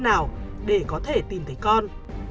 nào để có thể tìm thấy con